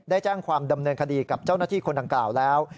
แจ้งความดำเนินคดีกับเจ้าหน้าที่คนดังกล่าวแล้ว